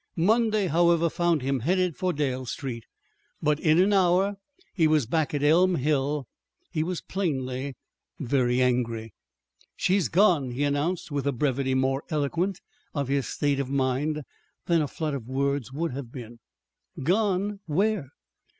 Monday, however, found him headed for Dale Street; but in an hour he was back at Elm Hill. He was plainly very angry. "She's gone," he announced, with a brevity more eloquent of his state of mind than a flood of words would have been. "Gone! Where?"